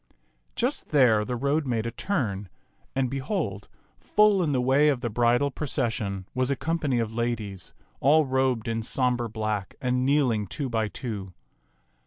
Just there the road made a turn, and behold, full in the way of the bridal procession was a company of ladies, all robed in sombre black and kneeling two by two.